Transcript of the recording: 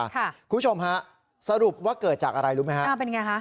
คุณผู้ชมฮะสรุปว่าเกิดจากอะไรรู้ไหมฮะอ่าเป็นไงคะ